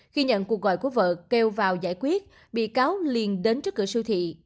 khi nhận cuộc gọi của vợ kêu vào giải quyết bị cáo liền đến trước cửa siêu thị